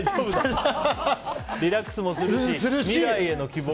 リラックスもするし未来への希望が。